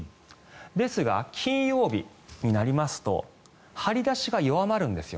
ですが、金曜日になりますと張り出しが弱まるんです。